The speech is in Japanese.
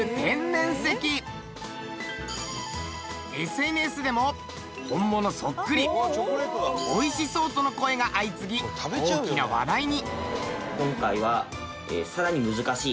ＳＮＳでも「本物そっくり」「美味しそう」との声が相次ぎ大きな話題に。